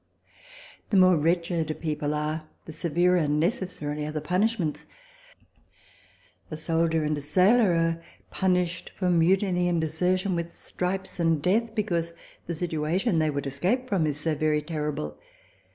The more wretched a people are, the severer necessarily are the punishments ; a soldier and sailor are punished for mutiny and desertion with stripes and death ; because the situation they would escape from is so very terrible.